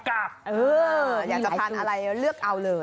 อยากจะทานอะไรเลือกเอาเลย